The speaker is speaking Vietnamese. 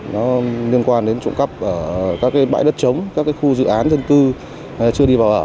nó liên quan đến trộm cắp các bãi đất trống các khu dự án dân tư chưa đi vào ở